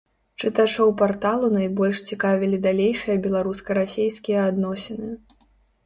Чытачоў парталу найбольш цікавілі далейшыя беларуска-расейскія адносіны.